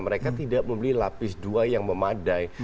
mereka tidak membeli lapis dua yang memadai